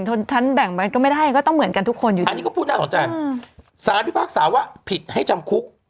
ฉันแบ่งมันก็ไม่ได้ก็ต้องเหมือนกันทุกคนอยู่อันนี้ก็พูดน่าสนใจอืมสารพิพากษาว่าผิดให้จำคุก